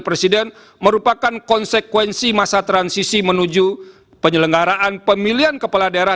presiden merupakan konsekuensi masa transisi menuju penyelenggaraan pemilihan kepala daerah